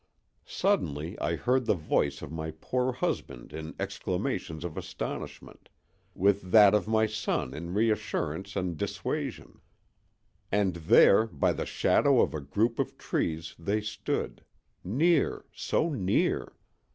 Suddenly I heard the voice of my poor husband in exclamations of astonishment, with that of my son in reassurance and dissuasion; and there by the shadow of a group of trees they stood—near, so near!